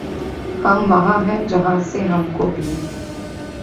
ہم وہاں ہیں جہاں سے ہم کو بھی